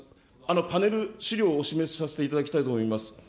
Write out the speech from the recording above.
パネル、資料をお示しさせていただきたいと思います。